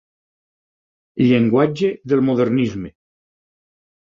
Llenguatge del modernisme.